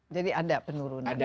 jadi ada penurunan